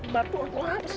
batu aku apa sih